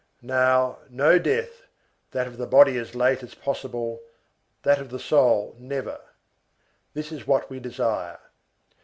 Now, no death, that of the body as late as possible, that of the soul never,—this is what we desire.